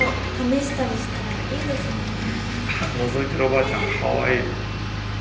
あのぞいてるおばあちゃんかわいい。